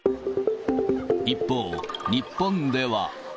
一方、日本では。